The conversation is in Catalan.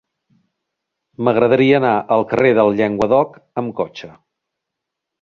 M'agradaria anar al carrer del Llenguadoc amb cotxe.